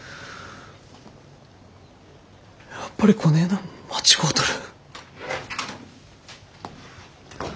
やっぱりこねえなん間違うとる。